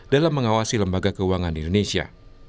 dalam mengawasi lembaga keuangan di indonesia